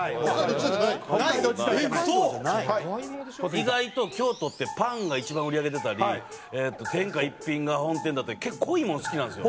意外と京都ってパンが一番売り上げ出たり天下一品が本店だったり結構濃いもの好きなんですよ。